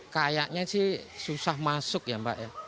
kayaknya sih susah masuk ya mbak ya